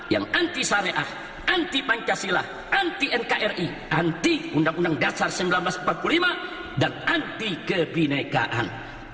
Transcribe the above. yang anti syariah anti pancasila anti nkri anti undang undang dasar seribu sembilan ratus empat puluh lima dan anti kebinekaan